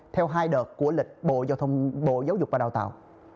theo hai đợt của lịch bộ giáo dục và đào tạo